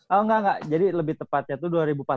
oh enggak enggak jadi lebih tepatnya itu dua ribu empat belas